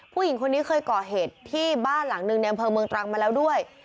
ผู้หญิงคนนี้เคยก่อเหตุที่บ้านหลังหนึ่งในอำเภอเมืองตรังมาแล้วด้วย